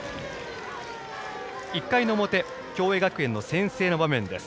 １回の表共栄学園の先制の場面です。